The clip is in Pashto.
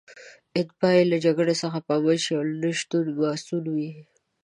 اتباع یې له جګړې څخه په امن شي او له نشو مصئون وي.